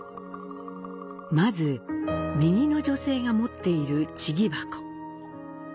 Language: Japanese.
まず、右の女性が持っている「千木筥」。